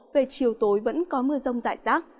về chiều tối vẫn có mưa rông dại rác